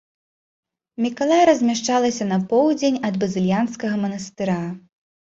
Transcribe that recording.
Мікалая размяшчалася на поўдзень ад базыльянскага манастыра.